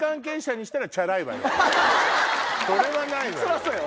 それはないわよ。